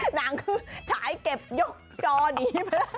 หนังคือจ่ายเก็บยกจอดี